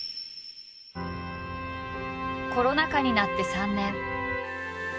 コロナ禍になって３年。